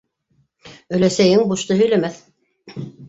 - Өләсәйең бушты һөйләмәҫ.